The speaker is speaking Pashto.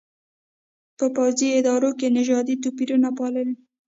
په پوځي ادارو کې نژادي توپېرونه پالي.